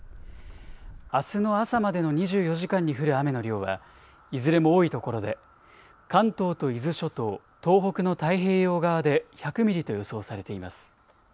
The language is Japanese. あすの朝までの２４時間に降る雨の量はいずれも多いところで関東と伊豆諸島、東北の太平洋側で１００ミリと予想されています。